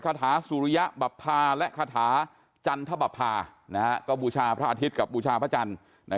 คาถาสุริยะบัพพาห์และคาถาจันทร์ภาพภาพน้าก็บูชาพระอัทศิริ